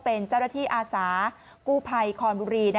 เป็นเจ้าหน้าที่อาสากู้ภัยคอนบุรี